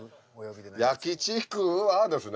「焼きちくわ」ですね。